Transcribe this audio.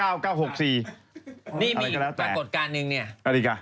อะไรก็